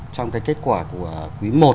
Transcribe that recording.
trong cái kết quả của quý một